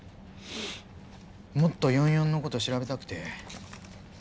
もっと４４の事調べたくて。